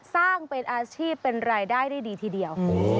สร้างเป็นอาชีพเป็นรายได้ได้ดีทีเดียว